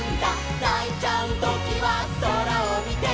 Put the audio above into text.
「ないちゃうときはそらをみて」